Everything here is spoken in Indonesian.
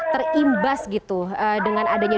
terimbas gitu dengan adanya